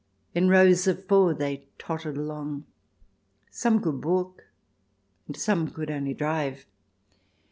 In rows of four they tottered along. Some could walk, and some could only drive.